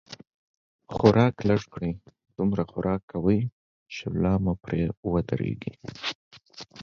خوراک لږ کړئ، دومره خوراک کوئ، چې ملا مو پرې ودرېږي